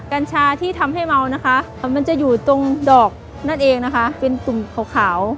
กัญชาที่ทำให้เมานะคะมันจะอยู่ตรงดอกนั่นเองนะคะเป็นตุ่มขาว